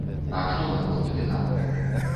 А што наконт віна?